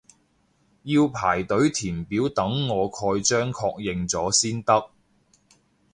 要排隊填表等我蓋章確認咗先得